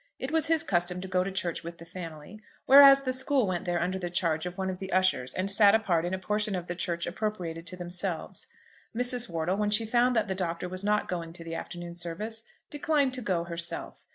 It was his custom to go to church with the family, whereas the school went there under the charge of one of the ushers and sat apart in a portion of the church appropriated to themselves. Mrs. Wortle, when she found that the Doctor was not going to the afternoon service, declined to go herself.